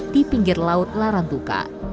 di pinggir laut larantuka